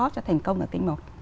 sẽ thành công là kênh một